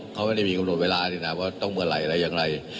เขาไม่ได้มีกำหนดเวลาสินะว่าต้องเมื่อไหร่อะไรอย่างไร